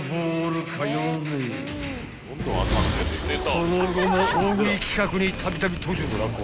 ［その後も大食い企画にたびたび登場］